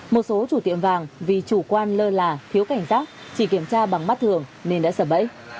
một số chủ tiệm vàng vì chủ quan lơ là thiếu cảnh giác chỉ kiểm tra bằng mắt thường nên đã sở bẫy